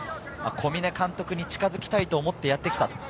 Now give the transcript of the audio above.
小嶺監督に近づきたいと思ってやってきた。